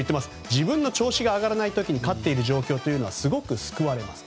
自分の調子が上がらない時に勝っている状況はすごく救われます。